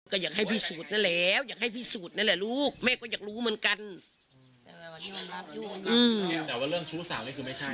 ก็อยากให้พิสูจน์นั่นแล้วอยากให้พิสูจน์นั่นแหละลูก